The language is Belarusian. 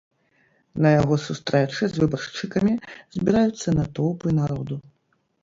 На яго сустрэчы з выбаршчыкамі збіраюцца натоўпы народу.